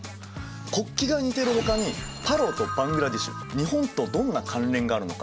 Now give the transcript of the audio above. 国旗が似てるほかにパラオとバングラデシュ日本とどんな関連があるのか？